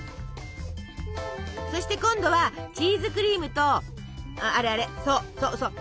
そして今度はチーズクリームとあれあれそうそうそう